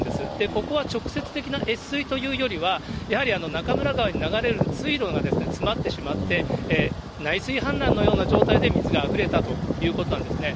ここは直接的な越水というよりは、やはりなかむら川に流れる水路が詰まってしまって、内水氾濫のような状態で水があふれたということなんですね。